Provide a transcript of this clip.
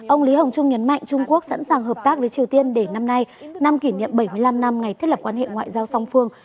ông lý hồng trung nhấn mạnh trung quốc sẵn sàng hợp tác với triều tiên để năm nay năm kỷ niệm bảy mươi năm năm ngày thiết lập quan hệ ngoại giao song phương